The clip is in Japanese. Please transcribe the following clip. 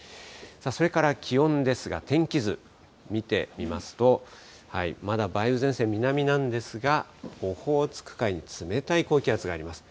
さあ、それから気温ですが、天気図見てみますと、まだ梅雨前線、南なんですが、オホーツク海に冷たい高気圧があります。